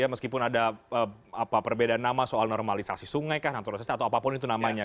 meskipun ada perbedaan nama soal normalisasi sungai kah naturalisasi atau apapun itu namanya